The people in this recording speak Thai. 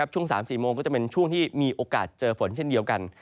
ช่วง๓๔โมงก็จะเป็นช่วงที่มีโอกาสเจอฝนเช่นเดียวกัน